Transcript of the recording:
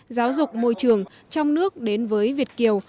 giáo dục môi trường trong nước đến với việt kiều